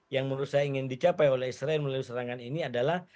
yang menurut saya ingin dicapai oleh israel melalui serangan ini adalah